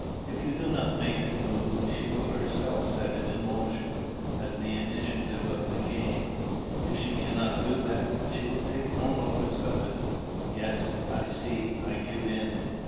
If you do not make it move, she will herself set it in motion as the initiative of the game. If she cannot do that, she will take no notice of it." "Yes, I see. I give in."